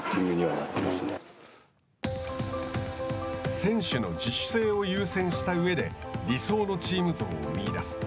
選手の自主性を優先したうえで理想のチーム像を見いだす。